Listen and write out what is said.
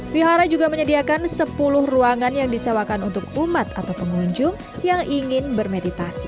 wihara juga menyediakan sepuluh ruangan yang disewakan untuk umat atau pengunjung yang ingin bermeditasi